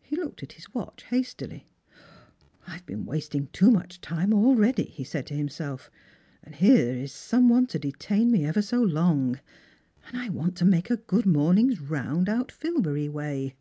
He looked at his watch hastily. " I've been wasting too much time already," he said to him Bolf, " and here is some one to detain me ever so long. And 1 want to make a good morning's round out Filbury way."